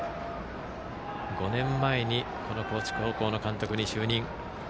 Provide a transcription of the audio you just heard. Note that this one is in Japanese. ５年前にこの高知高校の監督に就任。